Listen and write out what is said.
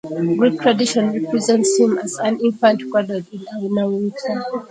Greek tradition represents him as an infant cradled in a winnowing fan.